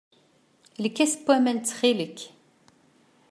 Lkas n waman, ttxil-k.